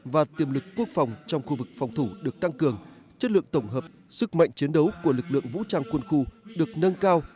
và tiềm lực quốc phòng trong khu vực phòng thủ được tăng cường chất lượng tổng hợp sức mạnh chiến đấu của lực lượng vũ trang quân khu được nâng cao